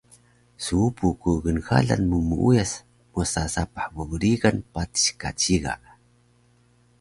Suupu ku gnxalan mu muuyas mosa sapah bbrigan patis ka ciga